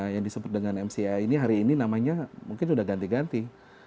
yang disebut dengan mca ini hari ini namanya mungkin sudah ganti ganti